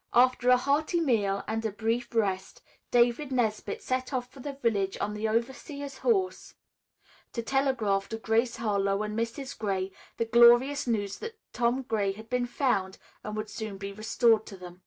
After a hearty meal and a brief rest, David Nesbit set off for the village on the overseer's horse to telegraph to Grace Harlowe and Mrs. Gray the glorious news that Tom Gray had been found and would soon be restored to them.